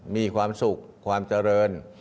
มีความสุขความเจริญ